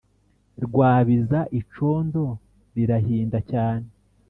Rwabiza icondo lirahinda cyane,